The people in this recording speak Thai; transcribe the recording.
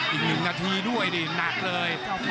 อีก๑นาทีด้วยนี่หนักเลย